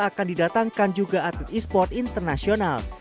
akan didatangkan juga atlet e sport internasional